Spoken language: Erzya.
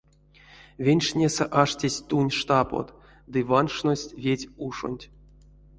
Венчтнесэ аштесть тунь штапот ды ванкшность ведь ушонть.